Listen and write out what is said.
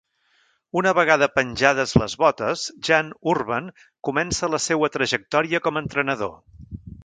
Una vegada penjades les botes, Jan Urban comença la seua trajectòria com a entrenador.